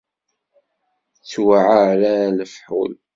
Ttuɛerran lefḥul.